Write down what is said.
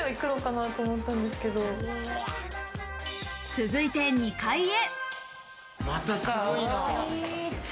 続いて２階へ。